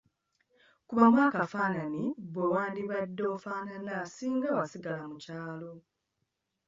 Kubamu akafaananyi bwe wandibadde ofaanana singa wasigala mu kyalo.